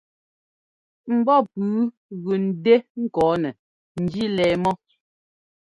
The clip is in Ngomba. Ḿbɔ́ pʉ́ʉ gʉ ńdɛ́ ŋkɔɔnɛ njí lɛɛ mɔ́.